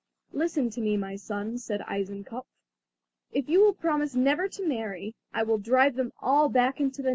"Listen to me, my son," said Eisenkopf. "If you will promise never to marry I will drive them all back into the nut again."